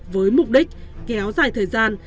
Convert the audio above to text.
với mục đích kéo dài thời gian